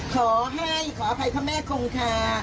ขอให้ขออภัยพระแม่คงคา